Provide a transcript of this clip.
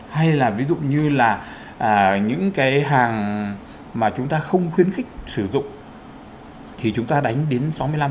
hay là ví dụ như là những cái hàng mà chúng ta không khuyến khích sử dụng thì chúng ta đánh đến sáu mươi năm